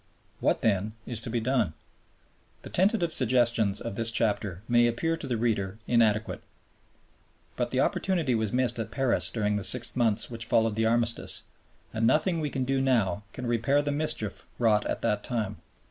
What then is to be done? The tentative suggestions of this chapter may appear to the reader inadequate. But the opportunity was missed at Paris during the six months which followed the Armistice, and nothing we can do now can repair the mischief wrought at that time.